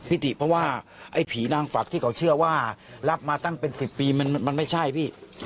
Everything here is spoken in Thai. ติเพราะว่าไอ้ผีนางฝักที่เขาเชื่อว่ารับมาตั้งเป็น๑๐ปีมันไม่ใช่พี่